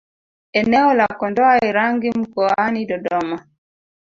Eneo la Kondoa Irangi mkoani Dodoma